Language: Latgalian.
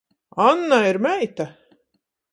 Annai ir meita!